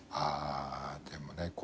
あでもね